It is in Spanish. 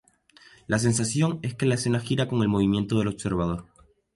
La sensación es que la escena gira con el movimiento del observador.